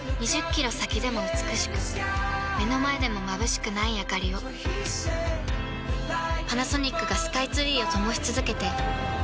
２０キロ先でも美しく目の前でもまぶしくないあかりをパナソニックがスカイツリーを灯し続けて今年で１０年